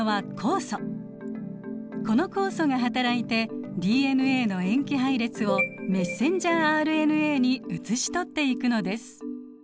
この酵素が働いてＤＮＡの塩基配列をメッセンジャーＲＮＡに写し取っていくのです。